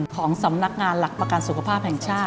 ของสำนักงานหลักประกันสุขภาพแห่งชาติ